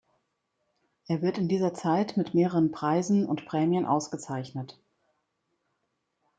Er wird in dieser Zeit mit mehreren Preise und Prämien ausgezeichnet.